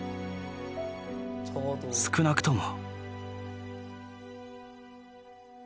少なくとも。